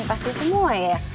pasti semua ya